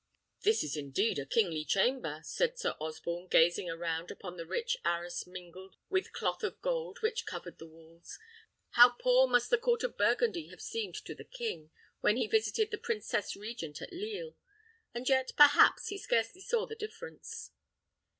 "This is indeed a kingly chamber," said Sir Osborne, gazing around upon the rich arras mingled with cloth of gold which covered the walls. "How poor must the court of Burgundy have seemed to the king, when he visited the Princess Regent at Lisle. And yet, perhaps, he scarcely saw the difference."